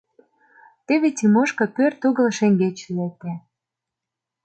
Теве Тимошка пӧрт угыл шеҥгеч лекте.